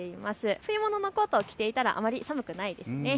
冬物のコートを着ていたらあまり寒くないですね。